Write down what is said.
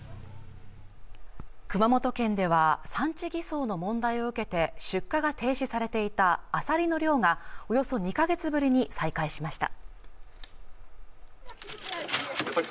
熊本県では産地偽装の問題を受けて出荷が停止されていたあさりの漁がおよそ２か月ぶりに再開しました